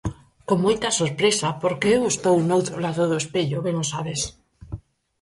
Con moita sorpresa, porque eu estou no outro lado do espello, ben o sabes.